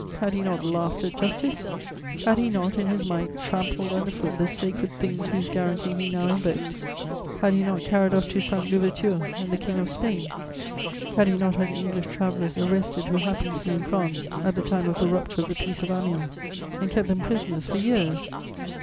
Had he not laughed at justice? Had he not, in his might, trampled under foot the sacred things whose guarantee he now invoked? Had he not carried off Toussaint Louverture and the King of Spain? Had he not had English travellers arrested who happened to be in France at the time of the rupture of the Peace of Amiens, and kept them prisoners for years?